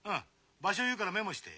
場所言うからメモして。